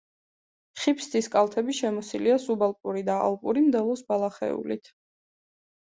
ხიფსთის კალთები შემოსილია სუბალპური და ალპური მდელოს ბალახეულით.